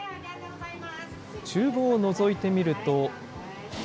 ちゅう房をのぞいてみると。